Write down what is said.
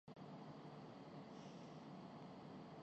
ان کے کھیل میں قوت، خوبصورتی ، تکنیک اور پھرتی شامل ہے۔